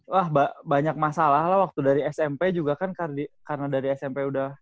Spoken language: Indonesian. wah banyak masalah lah waktu dari smp juga kan karena dari smp udah